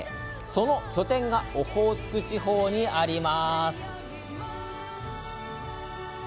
その拠点がオホーツク地方にあります。